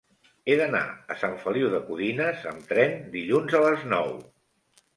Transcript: He d'anar a Sant Feliu de Codines amb tren dilluns a les nou.